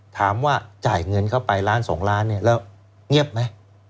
ถามว่าจ่ายเงินเข้าไปล้าน๒ล้านเนี่ยแล้วเงียบไหม